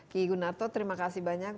ki gunarto terima kasih banyak